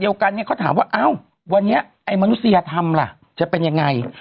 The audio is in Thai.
วันนี้ไอ้มนุษยธรรมจะเป็นอย่างไร